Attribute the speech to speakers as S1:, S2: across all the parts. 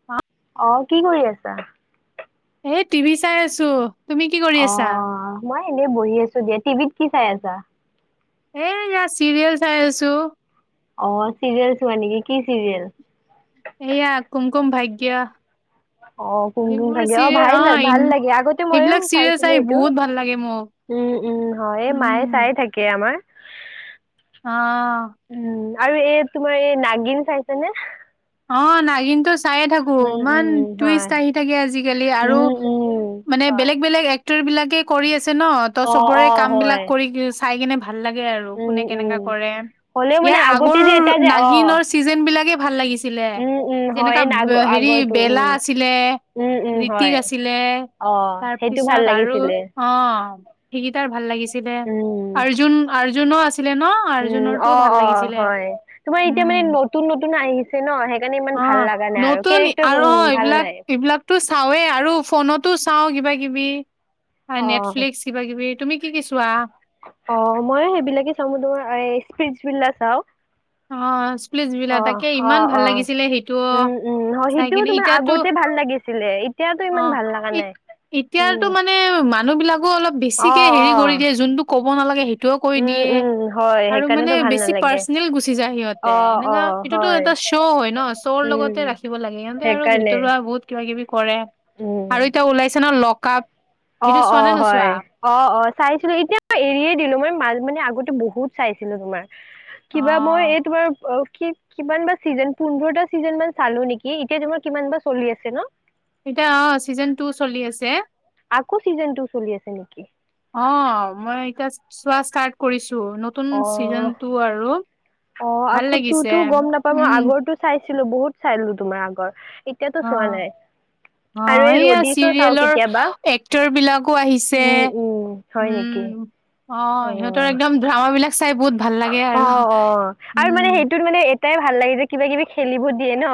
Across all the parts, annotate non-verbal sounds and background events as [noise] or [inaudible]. S1: [unintelligible]
S2: অ কি কৰি আছা?
S1: এই টিভি চাই আছো। তুমি কি কৰি
S2: অ
S1: আছা
S2: মই এনেই বহি আছো দিয়া, টিভিত কি চাই আছা?
S1: এ ইয়াত চিৰিয়েল চাই আছো।
S2: অ চিৰিয়েল চোৱা নেকি? কি চিৰিয়েল?
S1: এয়া কুমকুম ভাগ্য।
S2: অ কুম কুম ভাগ্য, অ ভাই ভাল লাগে, আগতে ময়ো
S1: সেইবিলাক চিৰিয়েল
S2: চাইছিলো
S1: চাই
S2: সেইটো।
S1: বহুত ভাল লাগে মোক
S2: উম, উম হয় এই মায়ে চায়ে
S1: উম
S2: থাকে আমাৰ।
S1: অ।
S2: উম আৰু এই তোমাৰ এই নাগিন চাইছানে?
S1: অ নাগিনতো চাইয়ে থাকোঁ,
S2: উম
S1: ইমান
S2: উম হয়
S1: টুইষ্ট আহি থাকে আজিকালি আৰু
S2: উম উম
S1: মানে
S2: হয়।
S1: বেলেগ, বেলেগ এক্টৰবিলাকে কৰি আছে ন, ত
S2: অ
S1: চবৰে
S2: অ হয়
S1: কামবিলাক কৰি [unintelligible] চাই কেনে ভাল লাগে আৰু
S2: উম
S1: কোনে
S2: উম
S1: কেনেকা কৰে?
S2: হ'লেও মানে
S1: ইয়াৰ
S2: আগতে
S1: আগৰ
S2: যে এটা যে অ
S1: নাগিনৰ চিজনবিলাকে ভাল লাগিছিলে।
S2: উম উম হয়
S1: যেনেকা
S2: নাগ
S1: বে হেৰি
S2: আগৰটো উম
S1: বেলা আছিলে।
S2: উম উম
S1: ৰিতিক
S2: হয়
S1: আছিলে
S2: অ সেইটো ভাল
S1: তাৰপিছত আৰু
S2: লাগিছিলে
S1: অ সেইকেইটাৰ ভাল লাগিছিলে।
S2: উম
S1: আৰ্জুন, আৰ্জুনো আছিলে ন?
S2: উম
S1: অৰ্জুনৰটোও
S2: অ
S1: ভাল
S2: অ
S1: লাগিছিলে
S2: হয়, তোমাৰ এতিয়া মানে
S1: উম
S2: নতুন, নতুন আহি ছে ন সেইকাৰণে ইমান
S1: অ
S2: ভাল লগা নাই আৰু কেৰেক্টাৰবোৰ ভাল নাই।
S1: তো চাওঁৱেই আৰু ফোনতো চাওঁ কিবা- কিবি আ
S2: অ
S1: নেটফ্লিক্স কিবা-কিবি, তুমি কি কি চোৱা?
S2: অ মই সেইবিলাকে চাওঁ, মই তোমাৰ আ এই স্প্লিটছভীলা চাও।
S1: অ চ
S2: অ, অ, অ, উম, উম অ
S1: চাই
S2: সেইটোও
S1: কিনে
S2: তোমাৰ
S1: এতিয়াতো
S2: আগতে ভাল লাগিছিলে এ তিয়াতো
S1: অ
S2: ইমান ভাল লগা
S1: ইত-
S2: নাই।
S1: এতিয়াতো
S2: উম
S1: মানে মানুহবিলাকো অলপ
S2: অ
S1: বেছিকে
S2: অ
S1: হেৰি কৰি দিয়ে, যোনটো ক'ব নালাগে সেই টো কৈ
S2: উম
S1: দিয়ে
S2: উম হয়
S1: আৰু মানে
S2: সেইকাৰণেতো ভাল
S1: বেছি
S2: নালাগে
S1: পাৰচনেল গুচি গুচি যায় সিহঁতে,
S2: অ অ
S1: এনেকা এইটোতো
S2: হয়
S1: এটা শ্ব' হয় ন', শ্ব'ৰ
S2: উম
S1: লগতে ৰাখিব লাগে, সিহঁতে আৰু
S2: সেইকাৰণে
S1: ভিতৰুৱা বহুত কিবা কিবি কৰে
S2: উম
S1: আৰু এতিয়া ওলাইছে নহয়, লক আপ
S2: অ' অ', হয়। অ', অ', চাইছিলো, এতিয়াই এৰিয়ে দিলো, মই মাজ, মানে আগতে বহুত চাইছিলো তোমাৰ।
S1: অ
S2: কিবা মই এই তোমাৰ অ', কি কিমান বা ছিজন পোন্ধৰটা ছিজনমান চালো নেকি, এতিয়া তোমাৰ কিমান বা চলি আছে ন'?
S1: এতিয়া অ', চিজন টু চলি আছে।
S2: আকৌ ছিজন টু চলি আছে নেকি?
S1: অ', মই এতিয়া চোৱা ষ্টাৰ্ট কৰিছো, নতুন চিজন
S2: অ',
S1: টু আৰু।
S2: অ',
S1: ভাল
S2: আকৌ তো
S1: লাগিছে
S2: টো গম নাপা মই,
S1: উম
S2: আগৰটো চাইছিলো, বহুত চালো তোমাৰ আগৰ। এতিয়াতো
S1: অ
S2: চোৱা নাই। আৰু
S1: অ',
S2: এই
S1: এইয়া
S2: ৰ'ডিছো চাও
S1: চিৰিয়েলৰ
S2: কেতিয়াবা
S1: এক্টৰ বিলাকো আহিছে,
S2: উম উম হয় নেকি
S1: উম। অ', সিহঁতৰ একদম ড্ৰামা বিলাক চাই বহুত ভাল
S2: অ
S1: আৰু উম।
S2: তাই, ভাল লাগে যে কিবা কিবি খেলিব দিয়ে ন'।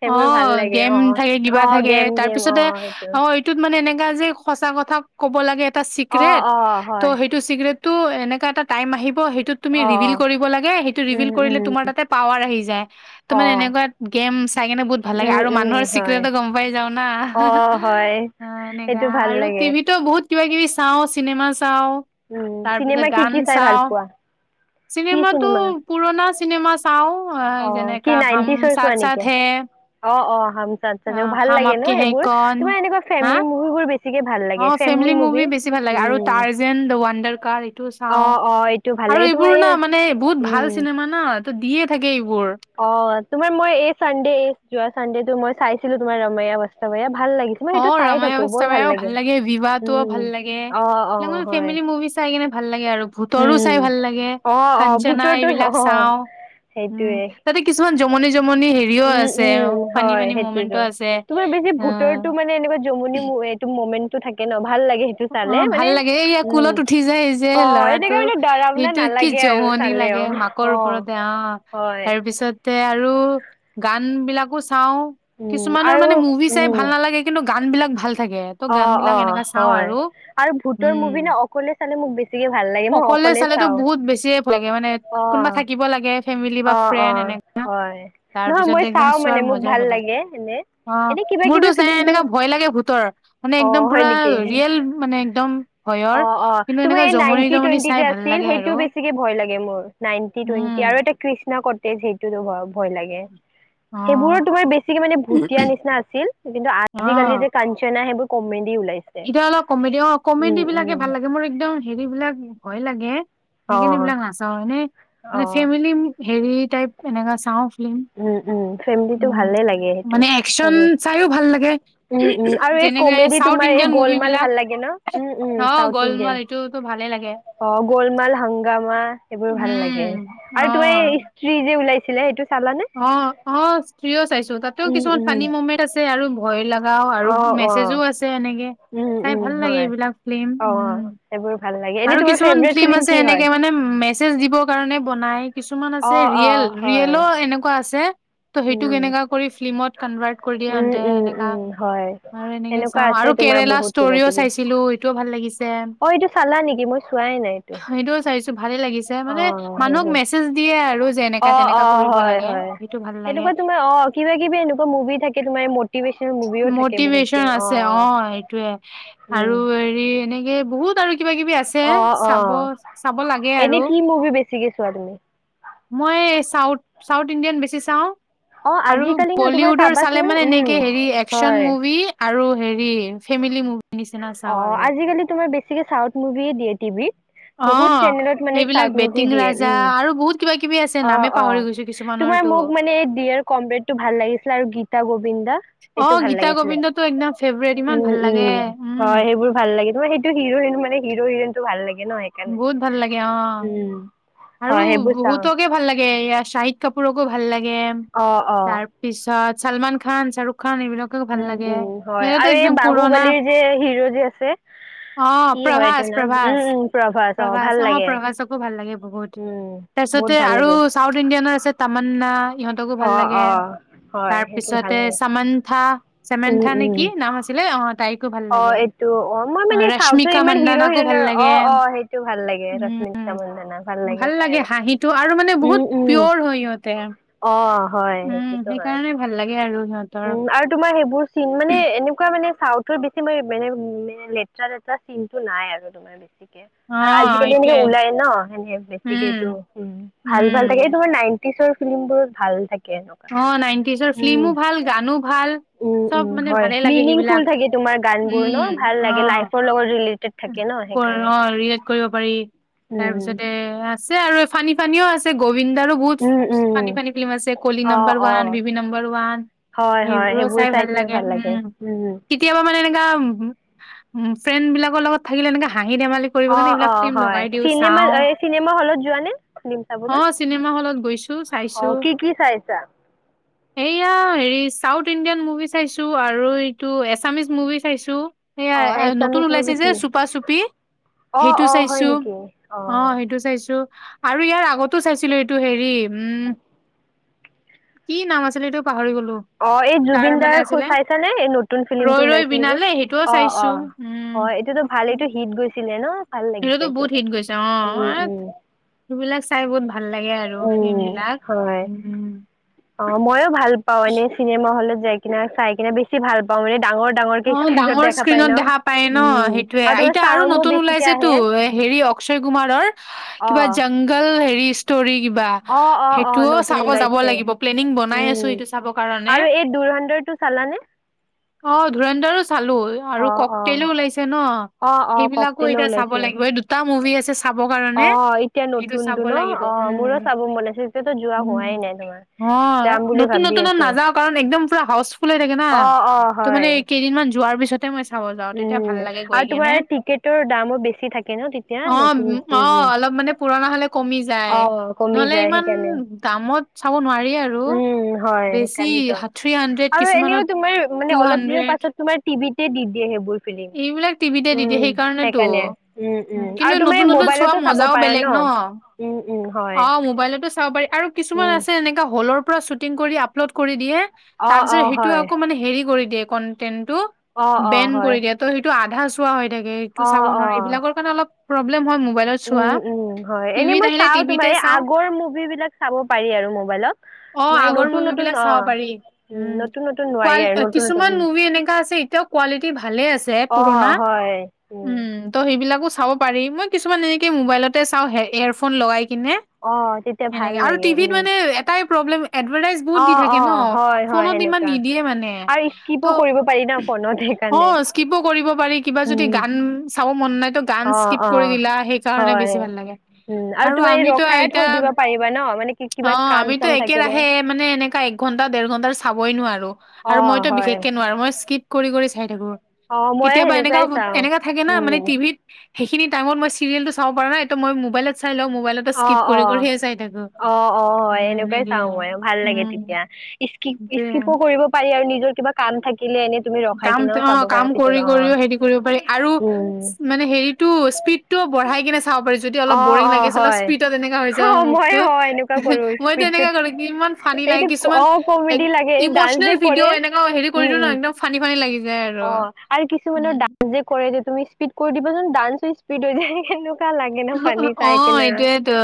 S2: সেইবোৰ ভাল
S1: অ',
S2: লাগে
S1: গেম
S2: অ
S1: থাকে,
S2: অ
S1: কিবা থাকে,
S2: গেম
S1: তাৰ
S2: গেম অ
S1: পিছতে
S2: সেইটো
S1: অ' টোত মানে এনেকা যে সচাঁ কথা ক'ব লাগে এটা
S2: অ
S1: চিক্ৰেট
S2: অ
S1: ত'
S2: হয়
S1: সেই চিগ্ৰেটটো, এনেকা এটা টাইম আহিব, সেইটো তুমি
S2: অ
S1: ৰিভিল কৰিব লাগে, সেইটো ৰিভিল
S2: উম
S1: কৰিলে
S2: উম
S1: তোমাৰ তাতে পাৱাৰ আহি যায়।
S2: অ
S1: তাৰমানে এনেকুৱা গেমছ নে বহুত ভাল লাগে,
S2: উম
S1: আৰু
S2: উম
S1: মানুহৰ
S2: হয়
S1: চিক্ৰেতো গম পাই যাও না।
S2: অ হয় সেইটো
S1: এনেকা
S2: ভাল
S1: আৰু
S2: লাগে
S1: টিভিতো বহুত কিবা কিবি চাও, চিনেমা চাও।
S2: উম
S1: তাৰপিছত
S2: চিনেমা কি
S1: গান
S2: কি চাই ভাল
S1: চাওঁ,
S2: পোৱা কি
S1: চিনেমাটো
S2: চিনেমা
S1: পুৰণা চিনেমা চাও,
S2: অ কি
S1: যেনেকা হাম
S2: নাইনটিচৰ
S1: চাথ
S2: চোৱা
S1: চাথ
S2: নেকি
S1: হে।
S2: অ', অ' হাম চাথ চাথ,
S1: অ',
S2: ভাল
S1: হাম
S2: লাগে
S1: আপকে
S2: ন'
S1: হে
S2: সেইবোৰ,
S1: কন
S2: তোমাৰ এনেকুৱা
S1: হা
S2: ফেমিলি মুভি বোৰ বেছি বেছিকে ভাল লাগে
S1: অ', ফেমিলি মুভি বেছি ভাল লাগে আৰু
S2: উম
S1: টাৰ্জেন দ্য ৱানডাৰ কাৰ এইটো
S2: অ
S1: চাওঁ।
S2: অ এইটো ভাল
S1: আৰু
S2: লাগে তোমাৰ
S1: এইবোৰ
S2: এই
S1: না, মানে বহুত
S2: উম,
S1: ভাল চিনেমা না, ত' দিয়ে থাকে এইবোৰ।
S2: অ', তোমাৰ মই এই চানডে, এই যোৱা চানডেটো মই চাইছিলো, তোমাৰ ৰমইয়া বাস্ত ভাইয়া, ভাল লাগিছিল।
S1: অ', ৰমায়া বস্তাভাইয়াও ভাল লাগে, ভিভা টোও
S2: উম,
S1: ভাল লাগে,
S2: অ' অ'
S1: মানে
S2: হয়।
S1: ফেমিলি মুভি চাই কেনে ভাল লাগে আৰু ভূতৰো
S2: উম,
S1: চাই ভাল লাগে,
S2: অ' অ'
S1: কাঞ্চনা
S2: ভূতৰতো
S1: এইবিলাক
S2: অ'
S1: চাওঁ। উম,
S2: সেইটোয়ে।
S1: তাতে কিছুমান জমনি জমনি হেৰিও
S2: উম,
S1: আছে,
S2: উম,
S1: ফানী
S2: হয়
S1: ফানী ম'মেন্টো
S2: সেইটোতো।
S1: আছে।
S2: তোমাৰ বেছি
S1: অ'।
S2: ভূতৰটো মানে এনেকুৱা জমনি মু- এইটো মমেণ্টটো থাকে ন', ভাল লাগে সেইটো। চালে
S1: অ', ভাল
S2: মানে
S1: লাগে, এইয়া
S2: উম,
S1: কুলত উঠি যে, এই যে
S2: অ'
S1: লাৰা টো,
S2: এনেকা মানে ডৰাৱনা
S1: সেইটো কি
S2: নালাগে আৰু
S1: জমনি
S2: চালেও
S1: লাগে, মাকৰ
S2: অ'
S1: ওপৰতে অ',
S2: হয়।
S1: তাৰ পিছত তে আৰু, গান বিলাকো চাও।
S2: উম,
S1: কিছুমানৰ
S2: আৰু
S1: মানে মুভি চাই
S2: উম।
S1: ভাল নালাগে কিন্তু গান বিলাক ভাল থাকে। ত' গান
S2: অ'
S1: বিলাক
S2: অ'
S1: এনেকা চাওঁ
S2: হয়।
S1: আৰু
S2: আৰু ভূতৰ মুভি
S1: উম
S2: ন', অকলে চালে মোক বেছিকে ভাল লাগে, মই অকলে চাওঁ। অ'।
S1: দিব লাগে। ফেমিলি বা
S2: অ',
S1: ফ্ৰেণ্ড
S2: অ',
S1: এনেকা,
S2: হয়।
S1: তাৰ
S2: নহয়
S1: পিছত
S2: মই
S1: একদম
S2: চাওঁ
S1: চোৱাৰ
S2: মানে মোক
S1: মজাই
S2: ভাল
S1: বেলেগ।
S2: লাগে এনে।
S1: অ',
S2: এনে কিবা
S1: মোৰতো
S2: কিবি
S1: চাই
S2: ফিল্মটো
S1: এনেকা ভয় লাগে ভূতৰ, মানে একদম
S2: অ', হয়
S1: পুৰা
S2: নেকি?
S1: ৰিয়েল মানে একদম ভয়ৰ
S2: অ', অ',
S1: কিন্তু
S2: তুমি
S1: এনেকা
S2: এই
S1: জমনি
S2: নাইনটি
S1: জমনি
S2: টুৱেণ্টি
S1: চাই
S2: যে
S1: ভাল
S2: আছিল,
S1: লাগে
S2: সেইটো
S1: আৰু
S2: বেছিকে ভয় লাগে মোৰ। নাইনটি টুৱেণ্টি,
S1: উম
S2: আৰু এটা কৃষ্ণা ক'টেজ সেইটোৰো ভ- ভয় লাগে।
S1: অ
S2: সেইবোৰো তোমাৰ বেছিকে মানে ভুটিয়া নিচিনা আছিল, কিন্তু আজিকালি
S1: অ
S2: যে কাঞ্চনা সেইবোৰ কমেডি ওলাই
S1: এতিয়া অলপ কমেডি অ' কমেডি বিলাকে ভাল লাগে। মোৰ একদম হেৰি বিলাক ভয় লাগে। সেইকাৰনে
S2: অ',
S1: এইবিলাক নাচাও। এনে মানে
S2: অ'।
S1: ফেমিলি হেৰি টাইপ এনেকা চাওঁ।
S2: উম উম ফেমিলিটো ভালে লাগে সেইটো
S1: মানে একচন
S2: সেইবোৰ
S1: চাইও ভাল লাগে।
S2: উম উম আৰু
S1: যেনেকা এই
S2: কমেডি
S1: চাউথ
S2: তোমাৰ এই
S1: ইণ্ডিয়ান মুভি
S2: গলমাল
S1: বিলাক,
S2: ভাল লাগে ন উম উম
S1: অ'
S2: চাউথ
S1: গ'লমাল
S2: ইণ্ডিয়ান
S1: এইটোতো ভালে লাগে।
S2: অ' গ'লমাল হংগামা সেইবোৰ ভাল লাগে।
S1: উম
S2: আৰু তুমি
S1: অ
S2: স্ত্ৰী যে ওলাইছিলে সেইটো চালানে
S1: অ', অ', স্ত্ৰীও চাইছো। তাতেও
S2: উম
S1: কিছুমান
S2: উম
S1: ফানী ম'মেট আছে আৰু ভয় লাগ আৰু
S2: অ অ
S1: মেছেজো আছে এনেকে,
S2: উম
S1: চাই
S2: উম
S1: ভাল লাগে
S2: হয়
S1: এইবিলাক ফিলিম।
S2: অ অ
S1: উম।
S2: সেইবোৰ ভাল লাগে। এনে
S1: আৰু
S2: তোমাৰ
S1: কিছুমান
S2: ফেভৰেট
S1: ফিলিম
S2: ফিল্ম
S1: আছে
S2: কি হয়
S1: এনেকে মানে, মেছ [unintelligible] দিবৰ কাৰণে বনাই কিছুমান
S2: অ
S1: আছে
S2: অ
S1: ৰিয়েল
S2: হয়
S1: ৰিয়েলো এনেকুৱা আছে। ত' সেইটোক
S2: উম
S1: এনেকা কৰি ফিল্মত কানভাৰ্ট কৰ
S2: উম
S1: দিয়ান্তে
S2: উম
S1: এনেকা
S2: উম হয়
S1: আৰু এনেকে
S2: এনেকুৱা
S1: চাওঁ
S2: আছে
S1: আৰু
S2: তোমাৰ
S1: কেৰেলা
S2: বহুত কিবা
S1: ষ্টৰিও
S2: কিবি
S1: চাইছিলোঁ টো ভাল লাগিছে।
S2: অ, এইটো চালা নেকি মই চোৱাই নাই এইটো।
S1: সেইটোও চাইছো ভালে লাগিছ যে
S2: অ
S1: মানে মানুহক
S2: সেইটোৱে
S1: মেছেজ দিয়ে আৰু যে এনেকা
S2: অ',
S1: তেনেকা
S2: অ',
S1: কৰিব
S2: হয়,
S1: লাগে,
S2: হয়।
S1: সেইটো ভাল লাগে।
S2: এনেকুৱা তোমাৰ অ', কিবা কিবি এনেকুৱা মুভি থাকে তোমাৰ এই মটিভেচন মুভিও থাকে বহুত
S1: মটিভেশ্যন
S2: খিন অ,
S1: আছে অ, এইটোৱে।
S2: উম,
S1: আৰু হেৰি এনেকে বহুত আৰু কিবা কিবি আছ
S2: অ, অ, এনে কি মুভি বেছিকে চোৱা তুমি?
S1: মই চাউথ চাউথ ইণ্ডিয়ান বেছি চাওঁ।
S2: অ',
S1: আৰু
S2: আজিকালি ন তোমাৰ
S1: বলীউডৰ চালে
S2: চাবাচোন
S1: মানে
S2: উম,
S1: এনেকে হেৰি একচন
S2: হয়।
S1: মুভি আৰু হেৰি ফেমিলি [inaudible] নিচিনা চাওঁ আৰু।
S2: জিকালি তোমাৰ বেছি ছিকে চাউথ মুভিয়ে দিয়ে টিভিত।
S1: অ
S2: বহুত চেনেলত মানে
S1: সেইবিলাক
S2: চাউত মুভি
S1: বেটিং
S2: দিয়ে
S1: ৰাজা
S2: উম,
S1: আৰু বহুত কিবা কিবি আছে
S2: অ,
S1: নামে
S2: অ,
S1: পাহৰি গৈছো
S2: তোমাৰ
S1: কিছুমানৰতো
S2: মোক মানে এই দিয়েৰ কমৰেডটো ভাল লাগিছিলে আৰু গীতা গবিন্দা।
S1: অ, গীতা গবিন্দটো একদম ফেভৰেট ইমান
S2: উম,
S1: ভাল লাগে
S2: উম,
S1: উম
S2: হয়, সেইবোৰ ভাল লাগে তোমাৰ সেইটো হিৰোইন মানে হিৰো হিৰইনটো ভাল লাগে নহয়?
S1: বহুত ভাল লাগে অ, আৰু
S2: হয় সেইবোৰ চাওঁ
S1: বহুতকে ভাল লাগে এয়া চাহিদ কাপুৰকো ভাল লাগে।
S2: অ, অ,
S1: তাৰ পিছত ছালমান খান, শ্বাহৰুখ খান এইবিলাক
S2: উম, উম, হয়, আৰু এই বাহুবালিৰ যে হিৰ' যে আছে
S1: অ,
S2: কি হয়
S1: প্ৰভাচ
S2: এইটোৰ নাম উম
S1: প্ৰভাচ
S2: উম প্ৰভাস
S1: প্ৰভাচ
S2: ভাল
S1: অ,
S2: লাগে
S1: প্ৰভাচক কো ভাল লাগে বহুত।
S2: উম বহুত
S1: তাৰপিছতে
S2: ভাল
S1: আৰু
S2: লাগে
S1: চাউথ ইণ্ডিয়ানৰ আছে তামান্না ইহঁত
S2: অ, অ, হয়
S1: তাৰ
S2: সেইটো ভাল
S1: পিছতে
S2: লাগে
S1: চামান্থা
S2: উম
S1: চেমেন্থা নে
S2: উম
S1: কি নাম আছিলে, অ, তাইক
S2: অ, এইটো, অ, মই মানে চাউথৰ ইমান হিৰ'
S1: মন্দানাকো ভাল
S2: হিৰইনৰ অ,
S1: লাগে
S2: অ, সেইটো ভাল লাগে
S1: উম
S2: ৰশ্মি [unintelligible]
S1: ভাল লাগে হাঁহিটো আৰু মানে বহুত
S2: উম
S1: পিয়ৰ হয় সিহঁতে।
S2: অ, হয়,
S1: উম,
S2: সেইটোতো হয়,
S1: সেইকাৰণে ভাল লাগে আৰু সিহঁতৰ
S2: উম আৰু তোমাৰ সেইবোৰ চিন মানে এনেকুৱা মানে চাউথৰ বেছি মানে [unintelligible] লেতৰা লেতৰা চিনটো নাই আৰু। [unintelligible] বেছি কে আৰু
S1: অ',
S2: আজিকালি এনেকে
S1: এইটোয়ে
S2: ওলাই ন এনে বেছিকে
S1: উম,
S2: এইটো উম, ভাল
S1: উম,
S2: ভাল থাকে এই তোমাৰ নাইনতিছৰ ফিলিমবোৰত ভাল থাকে। এনেকুৱা।
S1: অ, নাইনটিজৰ
S2: উম,
S1: ফ্লিমো ভাল গানো ভাল
S2: উম,
S1: চব
S2: উম,
S1: মানে
S2: হয়
S1: ভালেই লাগে
S2: মিনিংফুল
S1: সেইবিলাক,
S2: থাকে তোমাৰ গান বোৰ
S1: উম,
S2: ন ভাল
S1: অ,
S2: লাগে লাইফৰ লগত ৰিলেটেড থাকে ন
S1: ক
S2: সেইকাৰণে।
S1: অ, ৰিয়েক্ট কৰিব পাৰি
S2: উম,
S1: তাৰপিছতে আছে আৰু ফানী ফানীও আছে গোবিন্দাৰো বহুত
S2: উম, উম,
S1: ফানী ফানী ফ্লিম আছে ক'লি
S2: অ',
S1: নাম্বাৰ ৱান,
S2: অ',
S1: বিবি নাম্বাৰ ৱান। সেইবোৰো চাই ভাল লাগে উম। কেতিয়াবা মানে এনেকা, উম ফ্ৰেণ্ড বিলাকৰ লগত থাকিলে এনেকা হাঁহি ধেমালি কৰিব
S2: অ,
S1: কাৰণে
S2: অ,
S1: এইবিলাক ফিল্ম
S2: হয়,
S1: লগাই দিও
S2: চিনেমা
S1: চাও।
S2: এই চিনেমা হলত যোৱা নে ফ্লিম
S1: অ
S2: চাবলৈ?
S1: চিনেমা হলত গৈছো চাইছো
S2: অ' কি কি চাইছা?
S1: [inaudible] এইয়া হেৰি চাউথ ইণ্ডিয়ান মুভি চাইছো আৰু এইটো এছামিছ মুভি চাইছো।
S2: অ
S1: এইয়া নতুন
S2: এছামিছ
S1: ওলাইছে
S2: মুভি
S1: যে
S2: কি
S1: চুপা চুপি
S2: অ
S1: সেইটো
S2: অ হয়
S1: চাইছো
S2: নেকি
S1: অ' সেই সিটো চাইছো আৰু ইয়াৰ আগতো চাইছিলো এইটো হেৰি উম'। কি নাম আছিল সেইটো পাহৰি গলো।
S2: অ' এই
S1: তাৰ
S2: জুবিন
S1: মানে
S2: দাৰ
S1: আছিলে
S2: চাইছানে এই নতুন ফিল্ম টো
S1: ৰৈ ৰৈ
S2: ওলাইছিলে যে
S1: বিনালে সেইটোও
S2: অ'
S1: চাইছো
S2: অ'
S1: উম
S2: অ' এইটোতো ভাল এইটো হিট গৈছিলে ন'। ভাল
S1: সেইতো
S2: লাগিছে
S1: তো
S2: এইটো
S1: বহুত হিট গৈছে অ' আ
S2: উম উম
S1: সেইবিলাক চাই বহুত ভাল লাগে আৰু ফিল্ম
S2: উম
S1: বিলাক।
S2: হয় অ' ময়ো ভাল পাও এনে চিনেমা হলত যাই কিনে চাই কিনে বেছি বেছি ভাল পাও মানে ডাঙৰ ডাঙৰকে
S1: অ
S2: স্ক্ৰীণত
S1: ডাঙৰ
S2: দেখা পাই ন উম আৰু তোমাৰ
S1: এয়া আৰু
S2: চাউনো
S1: নতুন
S2: বেছিকে
S1: ওলাইছেতো
S2: আহে
S1: এ হেৰি অক্ষয় কুমাৰৰ
S2: অ
S1: কিবা জংগল হেৰি ষ্ট'ৰী কিবা
S2: অ অ অ
S1: সেইটো
S2: নতুন
S1: চাব যাব
S2: ওলাইছে
S1: লাগিব প্লেনিং বনাই আছ সেইটো চাব কাৰণে।
S2: টো চালানে?
S1: অ' ধুৰন্ধৰ চালো। অ' আৰু ককতেলো ওলাইছে ন'
S2: অ', অ',
S1: সেইবিলাকো
S2: ককতেলো
S1: এতিয়া চাব
S2: ওলাইছে
S1: লাগিব দুটা মুভি আছে চা চাব কাৰণে
S2: অ', এতিয়া
S1: সেইটো
S2: নতুনটো
S1: চাব
S2: ন
S1: লাগিব
S2: অ', মোৰো
S1: উম,
S2: চাব মন আছে এতিয়াতো যোৱা
S1: উম।
S2: হোৱাই নাই তোমাৰ।
S1: অ'
S2: যাম বুলি
S1: নতুন
S2: ভাবি
S1: নতুনত
S2: আছো
S1: নাযাও কাৰণ একদম পুৰা হাউচফুল হৈ থাকে না
S2: অ', অ',
S1: ত'মানে
S2: হয়।
S1: কেইদিনমান যোৱাৰ পিছত তেতিয়া মই চাব যাম।
S2: উম আৰু তোমাৰ টিকেটৰ দামো বেছি থাকে ন' তেতিয়া
S1: অ উম,
S2: নতুন উম,
S1: অ'
S2: উম
S1: অলপ মানে পুৰণা হ'লে কমি যায়
S2: অ', কমি
S1: নহ'লে
S2: যায়
S1: ইমান
S2: সেইকাৰণে
S1: দামত চাব নোৱাৰি আৰু।
S2: উম, হয়
S1: বেছি
S2: সেইকাৰণেতো
S1: থ্ৰী হাণ্ড্ৰেড
S2: আৰু
S1: কিছুমানত
S2: এনেও তোমাৰ
S1: টু
S2: মানে অলপ দিনৰ
S1: হাণ্ড্ৰেড
S2: পাছত তোমাৰ টিভিতে দি দিয়ে সেইবোৰ ফিলিম।
S1: এইবিলাক টিভিতে দি দিয়ে
S2: উম,
S1: সেইকাৰণেতো
S2: সেইকাৰণে উম, উম, আৰু
S1: কিন্তু
S2: তুমি
S1: নতুন নতুন চোৱা
S2: মোবাইলতো
S1: ম
S2: চাব
S1: মজাও
S2: পাৰা
S1: বেলেগ ন'।
S2: উম, উম, হয়
S1: অ' মোবাইলতো চাব পাৰি আৰু কিছুমান
S2: উম।
S1: আছে এনেককা হলৰ পৰা চু শ্বুটিং কৰি আপলড কৰি দিয়ে
S2: অ',
S1: তাৰপিছত
S2: অ',
S1: সেইটো
S2: হয়,
S1: আকৌ মানে হেৰি কৰি দিয়ে কণ্টেণ্ট তো
S2: অ', অ',
S1: বেন
S2: হয়,
S1: কৰি দিয়ে ত' সেইটো আধা চোৱা হৈ থাকে সেইটো চাব
S2: অ',
S1: নোৱাৰে
S2: অ'।
S1: এইবিলাকৰ কাৰণে অলপ প্ৰব্লেম হয় মোবাইলত
S2: উম,
S1: চোৱা
S2: উম, হয় এনে
S1: টিভিত
S2: মই
S1: আহিলে
S2: চাও তোমাৰ
S1: টিভিতে
S2: এই
S1: চাওঁ
S2: আগৰ মুভি বিলাক চাব পাৰি আৰু মোবাইলত
S1: অ
S2: তোমাৰ এই
S1: আগৰ
S2: নতুন
S1: মুভিবিলাক
S2: নতুন অ' নতুন
S1: কোৱা
S2: নোৱাৰি আৰু নতুন নতুন
S1: কিছুমান
S2: উম।
S1: মুভি এনেকা আছে এতিয়াও কোৱালিটি ভালে আছে
S2: অ',
S1: পুৰণা
S2: হয়,
S1: উম'। উ ত' সেইবিলাকো চাব পাৰি মই কিছুমান এনেকে মোবাইলতে চাও এয়ৰফোন লগাই কিনে।
S2: অ', তেতিয়া ভাল
S1: সেনেকা আৰু
S2: লাগে
S1: টিভিত
S2: উম।
S1: মানে এটাই প্ৰব্লেম এডভাৰটাইজ বহুত দি
S2: অ',
S1: থাকে ন'
S2: অ', হয়, হয়,
S1: ফোনত ইমান
S2: সেনেকুৱা
S1: নিদিয়ে মানে
S2: আৰু
S1: ত'
S2: স্কিপো কৰিব পাৰি ন ফোনত সেইকাৰণে।
S1: স্ক্ৰীপো কৰিব পাৰি কিবা যদি
S2: উম,
S1: গান চাব মন নাই তো গান
S2: অ',
S1: স্কিপ কৰি
S2: অ',
S1: দিলা সেইকাৰণে
S2: হয়।
S1: বেছি ভাল লাগে।
S2: উম,
S1: আৰু
S2: তোমাৰ এই
S1: আমিতো
S2: ৰখাইও থৈ
S1: এতিয়া
S2: দিব পাৰিবা ন মানে কি কিবা
S1: অ'
S2: কাম
S1: আমিতো
S2: চাম
S1: একে
S2: থাকিলে
S1: ৰাহে মানে এশেকা এক ঘন্টা, ডেৰ ঘন্টা চাবই নোৱাৰো আৰু
S2: অ',
S1: মইতো
S2: হয়।
S1: বিশেষকে নোৱাৰো মইটো স্ক্ৰী কৰি কৰি চাই থাকো।
S2: অ মইয়ো
S1: কেতিয়াবা এনেকা
S2: সেনেকুৱাই চাওঁ
S1: এনেকা থাকে না মানে
S2: উম
S1: টিভিত সেইখিনি টাইমত মই চিৰিয়েলটো চাব পাৰা নাই টো মই মোবলত চাই লও মোবাইত।
S2: অ' অ' অ' অ' হয় এনেকুৱাই চাও মই ভাল লাগে
S1: উম,
S2: তেতিয়া। স্কিপ
S1: সেইটোয়ে।
S2: স্কিপো কৰিব পাৰি আৰু নিজৰ কিবা কাম থাকিলে এনে তুমি ৰখাই
S1: কাম
S2: কিনেও
S1: অ
S2: চাব পাৰা
S1: কাম
S2: পিছত
S1: কৰি
S2: অ
S1: কৰিও হেৰি কৰিব পাৰি আৰু।
S2: উম
S1: মানে হেৰিটো স্পীডটো বঢ়াই কিনে চাব পাৰি যদি
S2: অ
S1: অলপ বৰিং
S2: অ
S1: লাগে। অলপ
S2: হয়
S1: স্পীডত এনেকা হৈ
S2: অ
S1: যাব
S2: মই
S1: মুখতো
S2: অ এনেকুৱা
S1: এহ
S2: কৰো
S1: মইতো এনেকা
S2: স্পীডটোত
S1: কৰো কিমান ফানি লাগে
S2: এইটো অ
S1: কিছুমান। এক
S2: কমেডি লাগে এই ডান্স
S1: ইমচনেল
S2: যে কৰে
S1: ভিডিঅ' এনেকা হেৰি
S2: উম
S1: দিও
S2: উম
S1: ন ফানি ফানি লাগি যায় আৰু।
S2: অ আৰু কিছুমানৰ
S1: উম
S2: ডান্স যে কৰে যে তুমি স্পীড কৰি দিবা চোন ডান্সো স্পীড হৈ যায়। কেনেকুৱা লাগে ন ফানি
S1: অ
S2: চাই কিনে।
S1: এইটোয়েতো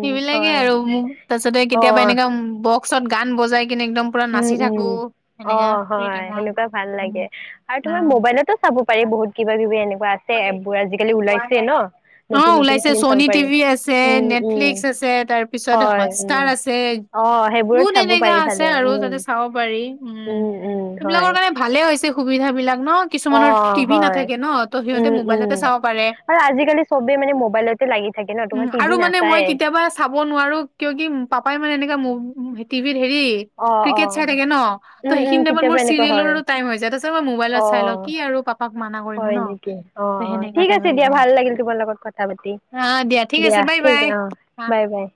S1: সেইবিলাকে আৰু মো তাৰপিছতে কেতিয়াবা
S2: অ
S1: এনেকুৱা বক্সত গান বজাই কিনে একদম। পুৰা
S2: উম
S1: নাচি থাকো
S2: উম অ
S1: এনেকা ফ্ৰী
S2: হয়
S1: টাইমত
S2: সেনেকুৱা ভাল
S1: উম
S2: লাগে আৰু তোমাৰ
S1: উম
S2: মোবাইলতো। চাব পাৰি বহুত কিবা কিবি এনেকুৱা আছে এপবোৰ আজিকালি
S1: কোৱা
S2: ওলাইছে
S1: নাই
S2: ন।
S1: অ
S2: নতুন নতুন
S1: ওলাইছে
S2: ফিল্ম চাব
S1: চ'নি
S2: পাৰি
S1: টিভি আছে
S2: উম উম
S1: নেটফ্লিক্স আছে তাৰপিছত
S2: হয়
S1: হটষ্টাৰ
S2: উম।
S1: আছে
S2: অ সেইবোৰত
S1: বহুত
S2: চাব
S1: এনেকা
S2: পাৰি
S1: আছে
S2: ভালে।
S1: আৰু
S2: উম,
S1: তাতে চাব পাৰি উম
S2: উম,
S1: সেইবিলাক
S2: হয়।
S1: কাৰণে ভালে হৈছে সুবিধা বিলাক ন। কিছুমানৰ
S2: অ',
S1: টিভি
S2: হয়,
S1: নাথাকে ন ত' সিহঁতে
S2: উম, উম।
S1: মোবাইলতে চাব পাৰে।
S2: আৰু আজিকালি চবে মানে মোবাইলতে লাগি থাকে ন
S1: উম
S2: তোমাৰ
S1: আৰু
S2: টিভি
S1: মানে মই
S2: নাচায়ে।
S1: কেতিয়াবা চাব নোৱাৰোঁ কিয় কি পাপাই মানে এনেকা টিভিত হেৰি।
S2: অ',
S1: ক্ৰিকেট চাই
S2: অ',
S1: থাকে ন ত
S2: উম, উম,
S1: সেইখিনি টাইমত মোৰ
S2: কেতিয়াবা এনেকুৱা হয়।
S1: চিৰিয়েলৰো টাইম হৈ যায় তাৰপিছত মই মবাইলত চাই লওঁ
S2: অ',
S1: কি আৰু পাপা
S2: হয় নেকি অ অ ঠিক
S1: টাইপ
S2: আছে
S1: হৈ
S2: দিয়া
S1: যায়
S2: ভাল লাগিল তোমাৰ লগত কথা পাতি।
S1: অ দিয়া ঠিক আছে বাই
S2: ঠিক
S1: বাই।
S2: অ বাই বাই।